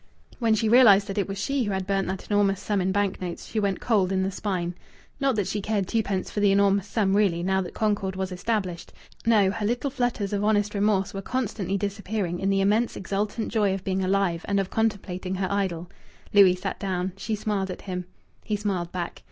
When she realized that it was she who had burnt that enormous sum in bank notes, she went cold in the spine. Not that she cared twopence for the enormous sum, really, now that concord was established! No, her little flutters of honest remorse were constantly disappearing in the immense exultant joy of being alive and of contemplating her idol. Louis sat down. She smiled at him. He smiled back.